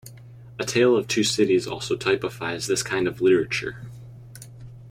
"A Tale of Two Cities" also typifies this kind of literature.